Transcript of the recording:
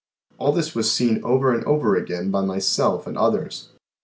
All this was seen over and over again by myself and others.